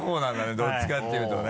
どっちかっていうとね。